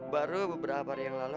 baru beberapa hari yang lalu